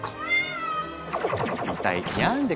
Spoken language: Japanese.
一体にゃんで